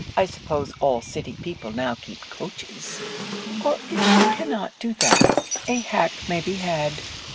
I suppose all city people now keep coaches. Or if she cannot do that, a hack may be had.'